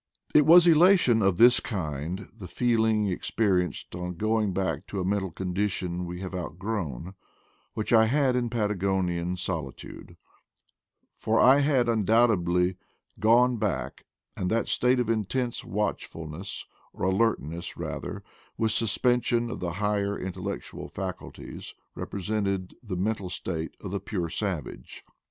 It was elation of this kind, the feeling experi enced on going back to a mental condition we have outgrown, which I had in the Patagonian solitude; for I had undoubtedly gone back; and that state of intense watchfulness, or alertness rather, with suspension of the higher intellectual faculties, represented the mental state of the pure savage.